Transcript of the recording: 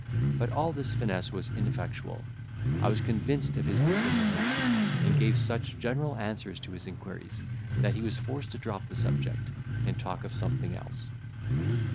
But all his finesse was ineffectual, I was convinced of his dissimulation, and gave such general answers to his inquiries, that he was forced to drop the subject, and talk of something else.